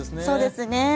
そうですね。